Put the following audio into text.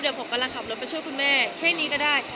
เดี๋ยวผมกำลังขับรถไปช่วยคุณแม่แค่นี้ก็ได้